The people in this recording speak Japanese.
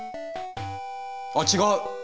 あっ違う！